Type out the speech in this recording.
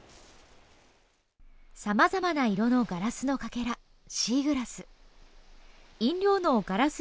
さまざまな色のガラスのかけらシーグラス。